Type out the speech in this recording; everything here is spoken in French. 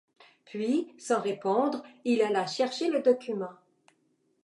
Puis, sans répondre, il alla chercher le document.